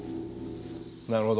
なるほど。